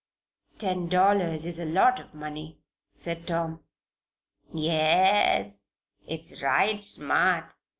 "Ten dollars is a lot of money," said Tom. "Yes. It's right smart.